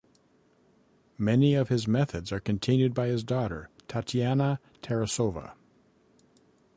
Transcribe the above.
Many of his methods are continued by his daughter Tatiana Tarasova.